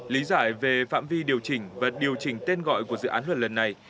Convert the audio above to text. lý giải về phạm vi điều chỉnh và điều chỉnh tên gọi của dự án luật lần này